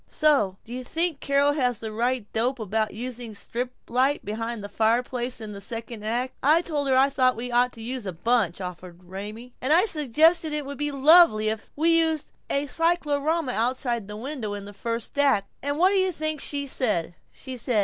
"Say, do you think Carol has the right dope about using a strip light behind the fireplace in the second act? I told her I thought we ought to use a bunch," offered Raymie. "And I suggested it would be lovely if we used a cyclorama outside the window in the first act, and what do you think she said?